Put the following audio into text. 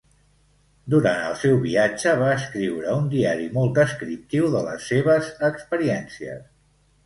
Durant el seu viatge, va escriure un diari molt descriptiu de les seves experiències.